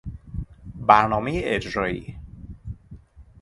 برنامهی اجرایی